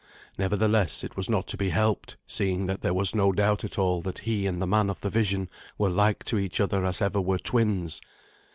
Nevertheless, it was not to be helped, seeing that there was no doubt at all that he and the man of the vision were like to each other as ever were twins.